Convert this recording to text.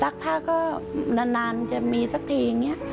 ผ้าก็นานจะมีสักทีอย่างนี้